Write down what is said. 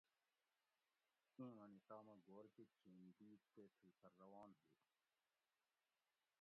اِیں منی تامہ گھور کۤہ کِھین دِیت تے تِھل پھر روان ہُو